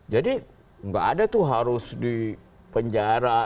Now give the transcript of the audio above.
jadi gak ada tuh harus di penjara